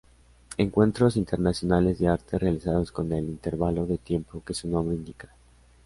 Encuentros internacionales de arte realizados con el intervalo de tiempo que su nombre indica.